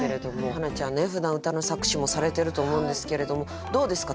花ちゃんねふだん歌の作詞もされてると思うんですけれどもどうですか？